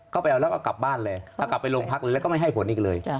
ก็ไปเอาแล้วก็กลับบ้านเลยเอากลับไปโรงพักเลยแล้วก็ไม่ให้ผลอีกเลย